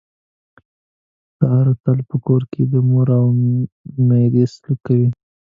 ساره تل په کور کې د مور او میرې سلوک کوي.